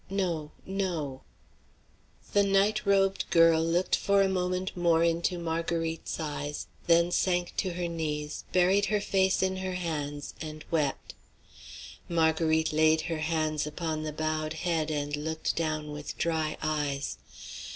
No, no" The night robed girl looked for a moment more into Marguerite's eyes, then sank to her knees, buried her face in her hands, and wept. Marguerite laid her hands upon the bowed head and looked down with dry eyes.